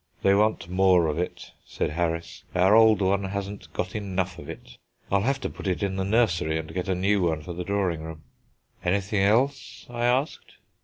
"They want more of it," said Harris; "our old one hasn't got enough of it. I'll have to put it in the nursery, and get a new one for the drawing room." "Anything else?" I asked.